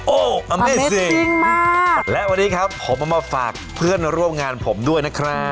โอ้โหอันนี้สิจริงมากและวันนี้ครับผมเอามาฝากเพื่อนร่วมงานผมด้วยนะครับ